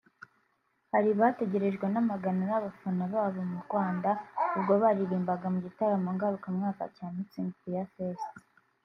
bari bategerejwe n’amagana y’abafana babo mu Rwanda ubwo baririmbaga mu gitaramo ngarukamwaka cya Mützig Beer Fest